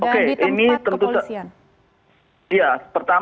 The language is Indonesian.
dan di tempat kepolisian